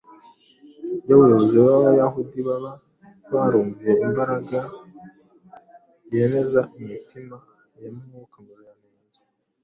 Iyo abayobozi b’Abayahudi baba barumviye imbaraga yemeza imitima ya Mwuka Muziranenge